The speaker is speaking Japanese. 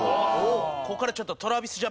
ここからちょっと。